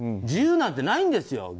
自由なんてないんですよ